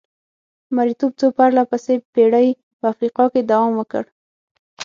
مریتوب څو پرله پسې پېړۍ په افریقا کې دوام وکړ.